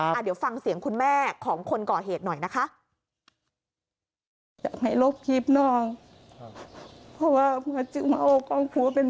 เดี๋ยวฟังเสียงคุณแม่ของคนก่อเหตุหน่อยนะคะ